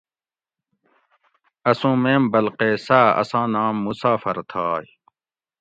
اسوں میم بلقیساۤ اساں نام مسافر تھائے